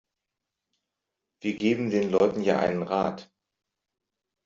Wir geben den Leuten ja einen Rat.